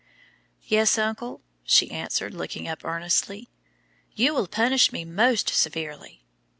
"Yes, uncle," she answered, looking up earnestly. "'You will punish me most severely.'